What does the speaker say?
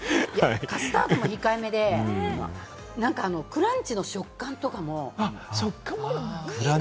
カスタードも控えめで、クランチの食感とかもいいの！